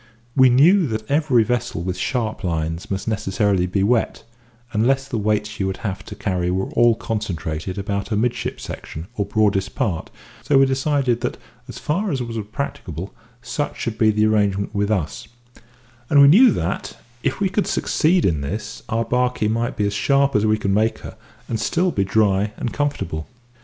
We knew that every vessel with sharp lines must necessarily be wet, unless the weights she would have to carry were all concentrated about her midship section, or broadest part, so we decided that as far as was practicable such should be the arrangement with us; and we knew that, if we could succeed in this, our barkie might be as sharp as we could make her, and still be dry and comfortable.